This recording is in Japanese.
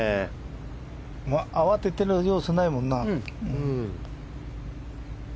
慌ててる様子もないもんな。